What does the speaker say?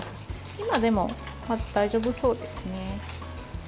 今、まだ大丈夫そうですね。